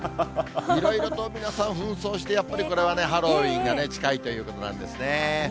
いろいろと皆さん、ふん装して、やっぱりこれはね、ハロウィーンが近いということなんですね。